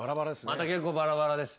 また結構バラバラです。